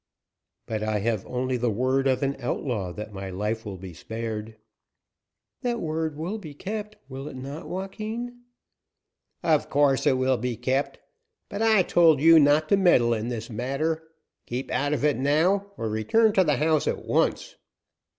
"But I have only the word of an outlaw that my life will be spared." "That word will be kept, will it not, Joaquin?" "Of course it will be kept. But I told you not to meddle in this matter. Keep out of it, now, or return to the house at once!"